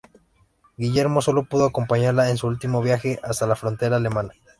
Guillermo solo pudo acompañarla en su último viaje hasta la frontera alemana.